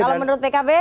kalau menurut pkb